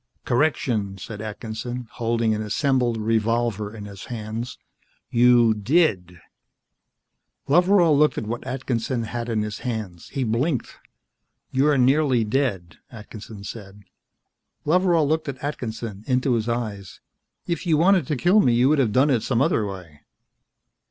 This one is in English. "Correction," said Atkinson, holding an assembled revolver in his hands. "You did." Loveral looked at what Atkinson had in his hands. He blinked. "You're nearly dead," Atkinson said. Loveral looked at Atkinson, into his eyes. "If you wanted to kill me, you could have done it some other way."